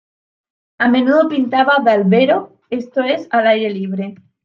A menudo pintaba "dal vero", esto es, al aire libre.